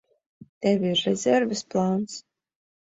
Tev ir rezerves plāns?